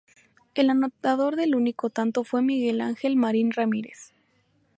El anotador del único tanto fue Miguel Ángel Marin Ramírez.